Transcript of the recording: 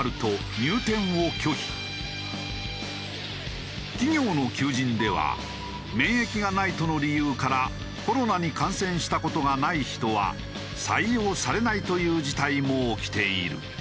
美容室では企業の求人では免疫がないとの理由からコロナに感染した事がない人は採用されないという事態も起きている。